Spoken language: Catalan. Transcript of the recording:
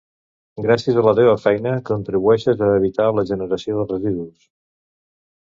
Gràcies a la teva feina, contribueixes a evitar la generació de residus.